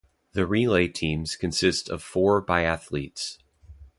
The relay teams consist of four biathletes.